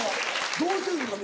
どうしてるんですか？